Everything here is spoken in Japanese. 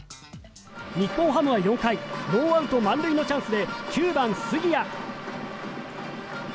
日本ハムは４回ノーアウト満塁のチャンスで９番、杉谷。